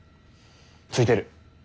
ついてる！